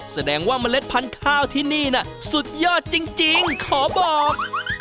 แสดงว่าเมล็ดพันธุ์ข้าวที่นี่น่ะสุดยอดจริงขอบอก